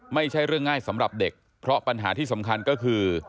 ไม่ใช่เรื่องง่ายสำหรับเด็กเพราะปัญหาที่สำคัญก็คือ